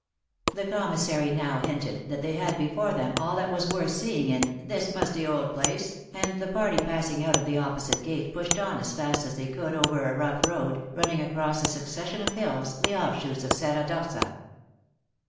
The commissary now hinted that they had before them all that was worth seeing in u this musty old place," and the party passing out of the opposite gate pushed on as fast as they could over, a rough road, running across a succession of hills, the off shoots of Serra d Ossa.